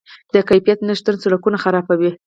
د کیفیت نشتون سرکونه خرابوي.